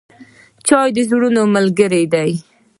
چای د زړونو ملګری دی.